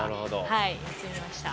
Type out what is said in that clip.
はいやってみました。